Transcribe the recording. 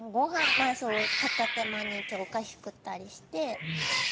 片手間にお菓子食ったりして。